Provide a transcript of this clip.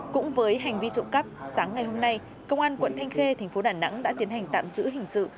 cũng với hành vi trộm cắp sáng ngày hôm nay công an quận thanh khê thành phố đà nẵng đã tiến hành tạm giữ hình sự